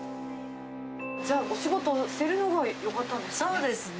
じゃあ、お仕事してるのがよかったんですかね？